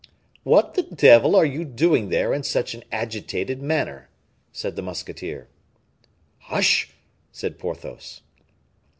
"What the devil are you doing there in such an agitated manner?" said the musketeer. "Hush!" said Porthos.